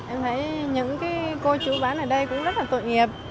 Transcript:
em thấy những cô chú bán ở đây cũng rất là tội nghiệp